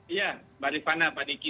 ya bariswana pak diki